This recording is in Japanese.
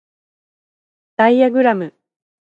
ダイアグラム